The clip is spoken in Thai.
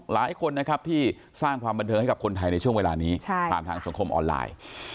หลายคนนะครับที่สร้างความบันเทิงให้กับคนไทยในช่วงเวลานี้ผ่านทางสังคมออนไลน์